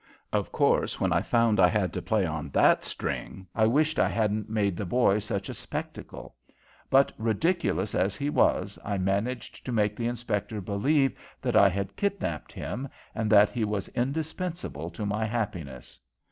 Of course, when I found I had to play on that string, I wished I hadn't made the boy such a spectacle. But ridiculous as he was, I managed to make the inspector believe that I had kidnapped him, and that he was indispensable to my happiness.